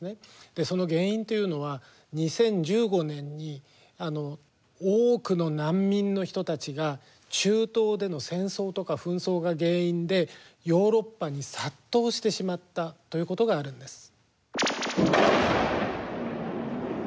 でその原因というのは２０１５年に多くの難民の人たちが中東での戦争とか紛争が原因でヨーロッパに殺到してしまったということがあるんです。